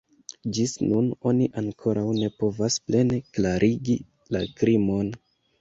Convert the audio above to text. Ĝis nun oni ankoraŭ ne povas plene klarigi la krimon.